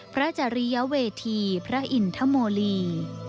จริยเวทีพระอินทโมลี